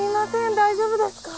大丈夫ですか？